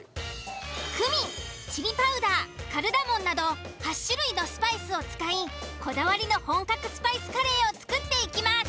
クミンチリパウダーカルダモンなど８種類のスパイスを使いこだわりの本格スパイスカレーを作っていきます。